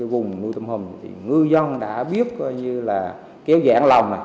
vùng nuôi tôm hùm thì ngư dân đã biết kiếu dãn lòng